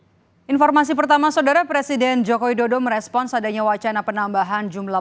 hai informasi pertama saudara presiden jokowi dodo merespon sadanya wacana penambahan jumlah